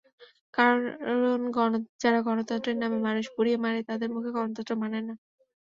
কারণ যারা গণতন্ত্রের নামে মানুষ পুড়িয়ে মারে তাদের মুখে গণতন্ত্র মানায় না।